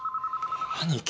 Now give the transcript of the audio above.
兄貴。